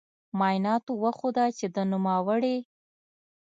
معایناتو وښوده چې د نوموړې